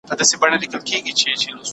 د موسسو زور د سياست دوامداره برخه ده.